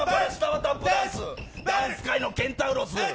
ダンス界のケンタウロス。